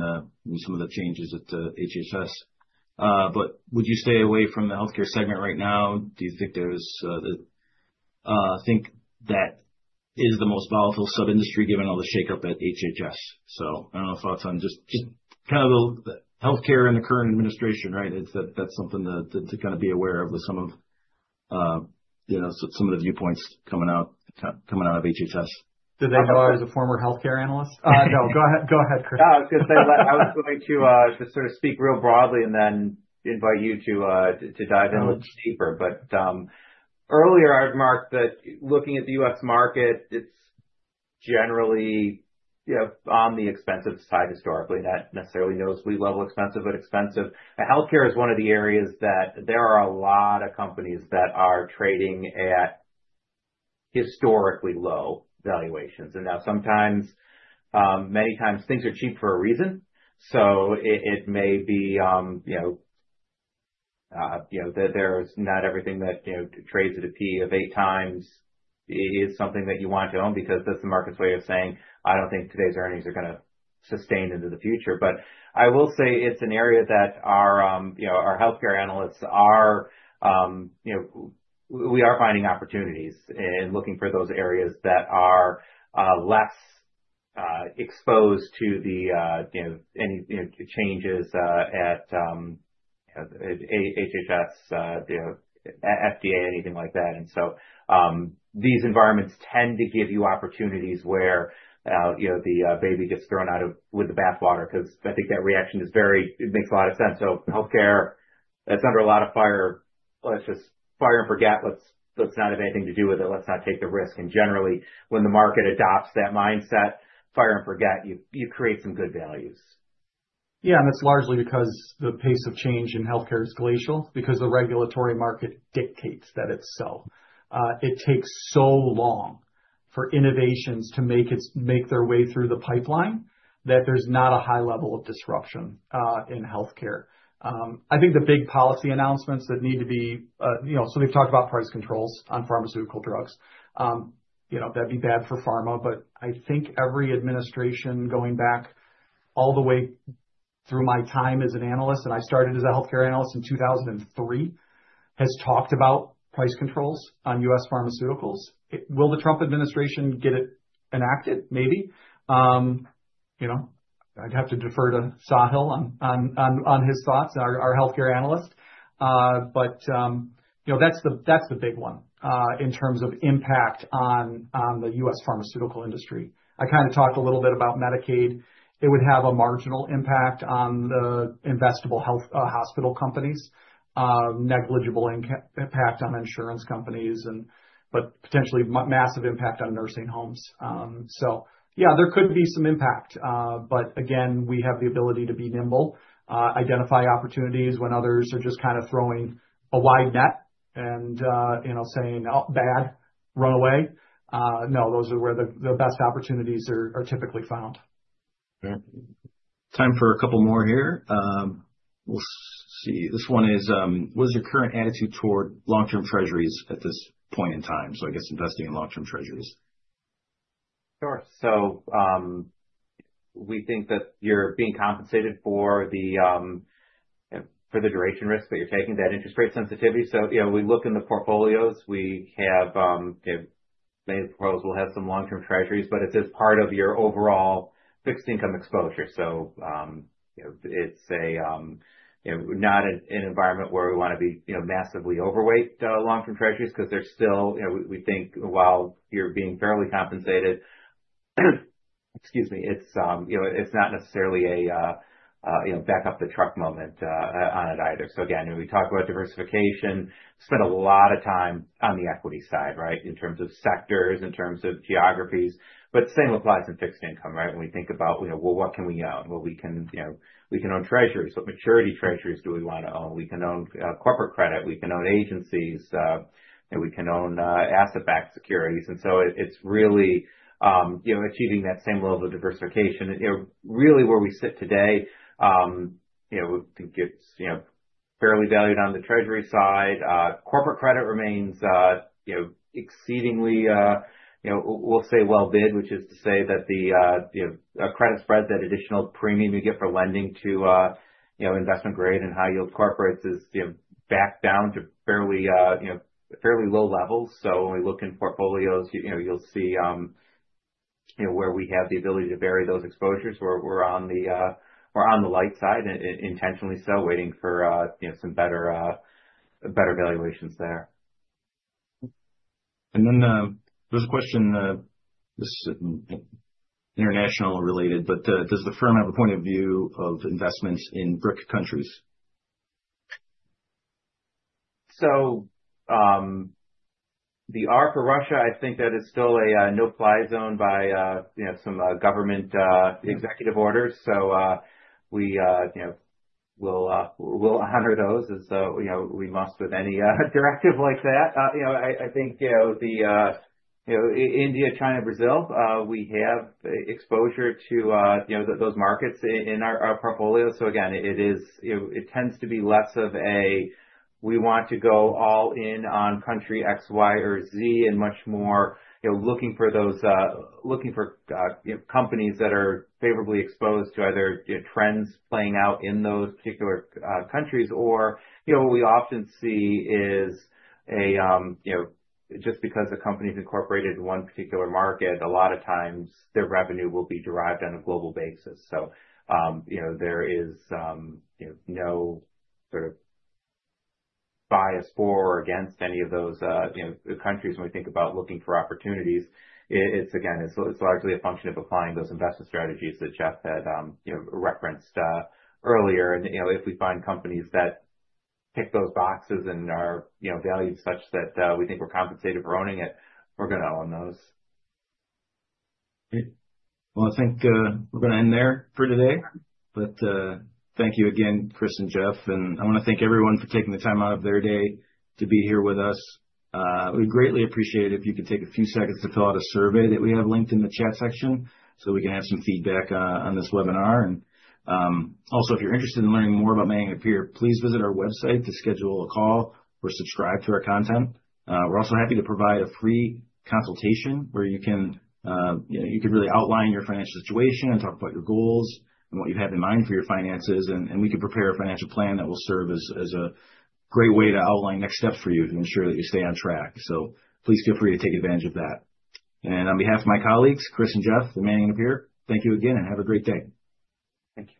some of the changes at HHS. Would you stay away from the healthcare segment right now? Do you think there's the. I think that is the most volatile sub-industry given all the shakeup at HHS. I don't know if thoughts on just kind of the healthcare and the current administration, right? It's that's something to kind of be aware of with some of, you know, some of the viewpoints coming out of HHS. Did they go out as a former healthcare analyst? No, go ahead. Go ahead, Chris. No, I was going to say I was going to just sort of speak real broadly and then invite you to dive in a little deeper. Earlier, I'd marked that looking at the U.S. market, it's generally, you know, on the expensive side historically, not necessarily noticeably level expensive, but expensive. Healthcare is one of the areas that there are a lot of companies that are trading at historically low valuations. Now sometimes, many times things are cheap for a reason. It may be, you know, you know, there is not everything that, you know, trades at a P of eight times is something that you want to own because that is the market's way of saying, "I do not think today's earnings are going to sustain into the future." I will say it is an area that our, you know, our healthcare analysts are, you know, we are finding opportunities and looking for those areas that are less exposed to the, you know, any changes at HHS, you know, FDA, anything like that. These environments tend to give you opportunities where, you know, the baby gets thrown out with the bathwater because I think that reaction is very, it makes a lot of sense. Healthcare, that is under a lot of fire, let's just fire and forget. Let's not have anything to do with it. Let's not take the risk. Generally, when the market adopts that mindset, fire and forget, you create some good values. Yeah. That is largely because the pace of change in healthcare is glacial because the regulatory market dictates that it is so. It takes so long for innovations to make their way through the pipeline that there is not a high level of disruption in healthcare. I think the big policy announcements that need to be, you know, so they have talked about price controls on pharmaceutical drugs. You know, that would be bad for pharma, but I think every administration going back all the way through my time as an analyst, and I started as a healthcare analyst in 2003, has talked about price controls on U.S. pharmaceuticals. Will the Trump administration get it enacted? Maybe. You know, I would have to defer to Sahil on his thoughts, our healthcare analyst. But, you know, that is the big one in terms of impact on the U.S. pharmaceutical industry. I kind of talked a little bit about Medicaid. It would have a marginal impact on the investable health hospital companies, negligible impact on insurance companies, but potentially massive impact on nursing homes. Yeah, there could be some impact. Again, we have the ability to be nimble, identify opportunities when others are just kind of throwing a wide net and, you know, saying, "Oh, bad, run away." No, those are where the best opportunities are typically found. Okay. Time for a couple more here. We'll see. This one is, what is your current attitude toward long-term treasuries at this point in time? I guess investing in long-term treasuries. Sure. So we think that you're being compensated for the duration risk that you're taking, that interest rate sensitivity. You know, we look in the portfolios, we have, you know, many of the portfolios will have some long-term treasuries, but it's as part of your overall fixed income exposure. You know, it's not an environment where we want to be, you know, massively overweight long-term treasuries because they're still, you know, we think while you're being fairly compensated, excuse me, it's not necessarily a, you know, back up the truck moment on it either. Again, we talk about diversification, spend a lot of time on the equity side, right, in terms of sectors, in terms of geographies. The same applies in fixed income, right? When we think about, you know, well, what can we own? You know, we can own treasuries. What maturity treasuries do we want to own? We can own corporate credit. We can own agencies. We can own asset-backed securities. And so it's really, you know, achieving that same level of diversification. You know, really where we sit today, you know, I think it's, you know, fairly valued on the treasury side. Corporate credit remains, you know, exceedingly, you know, we'll say well-bid, which is to say that the, you know, credit spread, that additional premium you get for lending to, you know, investment-grade and high-yield corporates is, you know, backed down to fairly, you know, fairly low levels. So when we look in portfolios, you know, you'll see, you know, where we have the ability to vary those exposures. We're on the, we're on the light side and intentionally so waiting for, you know, some better valuations there. There is a question, this is international related, but does the firm have a point of view of investments in BRIC countries? The ARC or Russia, I think that it's still a no-fly zone by, you know, some government executive orders. We, you know, we'll honor those as, you know, we must with any directive like that. I think, you know, the, you know, India, China, Brazil, we have exposure to, you know, those markets in our portfolio. Again, it is, you know, it tends to be less of a, we want to go all in on country X, Y, or Z and much more, you know, looking for those, looking for, you know, companies that are favorably exposed to either trends playing out in those particular countries or, you know, what we often see is a, you know, just because a company's incorporated in one particular market, a lot of times their revenue will be derived on a global basis. You know, there is, you know, no sort of bias for or against any of those, you know, countries when we think about looking for opportunities. It's, again, it's largely a function of applying those investment strategies that Jeff had, you know, referenced earlier. You know, if we find companies that tick those boxes and are, you know, valued such that we think we're compensated for owning it, we're going to own those. Okay. I think we're going to end there for today. Thank you again, Chris and Jeff. I want to thank everyone for taking the time out of their day to be here with us. We'd greatly appreciate it if you could take a few seconds to fill out a survey that we have linked in the chat section so we can have some feedback on this webinar. Also, if you're interested in learning more about Manning & Napier, please visit our website to schedule a call or subscribe to our content. We're also happy to provide a free consultation where you can, you know, you can really outline your financial situation and talk about your goals and what you have in mind for your finances. We can prepare a financial plan that will serve as a great way to outline next steps for you to ensure that you stay on track. Please feel free to take advantage of that. On behalf of my colleagues, Chris and Jeff, at Manning & Napier, thank you again and have a great day. Thank you.